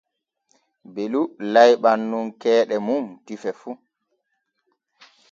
Belu layɓan nun keeɗe mum tife fu.